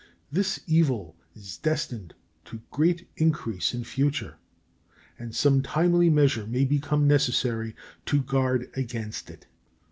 This evil is destined to great increase in future, and some timely measure may become necessary to guard against it.